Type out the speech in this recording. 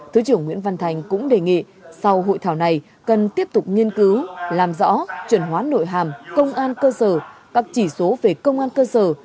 thứ trưởng nguyễn văn thành cũng đề nghị sau hội thảo này cần tiếp tục nghiên cứu làm rõ chuẩn hóa nội hàm công an cơ sở các chỉ số về công an cơ sở